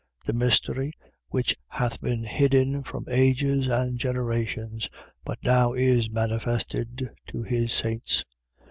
The mystery which hath been hidden from ages and generations, but now is manifested to his saints, 1:27.